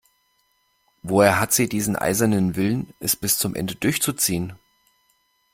Woher hat sie diesen eisernen Willen, es bis zum Ende durchzuziehen?